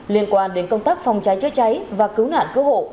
liên quan đến công tác phòng cháy chữa cháy và cứu nạn cứu hộ